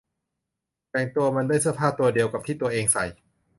แต่งตัวมันด้วยเสื้อผ้าตัวเดียวกับที่ตัวเองใส่